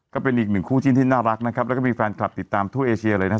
ก็เป็นอีกหนึ่งคู่จิ้นที่น่ารักนะครับแล้วก็มีแฟนคลับติดตามทั่วเอเชียเลยนะครับ